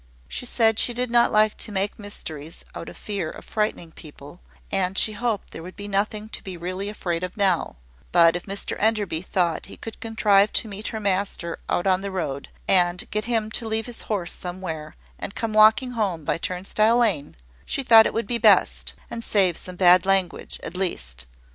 She said she did not like to make mysteries, out of fear of frightening people; and she hoped there would be nothing to be really afraid of now: but if Mr Enderby thought he could contrive to meet her master out on the road, and get him to leave his horse somewhere, and come walking home by Turnstile Lane, she thought it would be best, and save some bad language, at least.